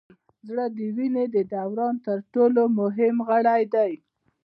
زړه د وینې د دوران تر ټولو مهم غړی دی